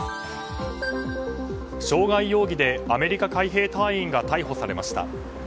傷害容疑でアメリカ海兵隊員が逮捕されました。